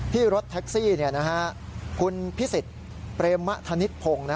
พี่รถแท็กซี่คุณพิสิทธิ์เปรมมะธนิดพงศ์